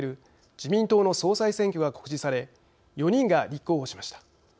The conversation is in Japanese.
自民党の総裁選挙が告示され４人が立候補しました。